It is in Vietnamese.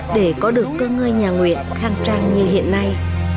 để có được cơ ngơi nhà nguyện khang trang như hiện nay